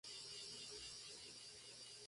N. Phil.